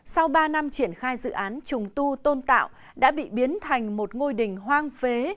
sau ba năm triển khai dự án trùng tu tôn tạo đã bị biến thành một ngôi đình hoang phế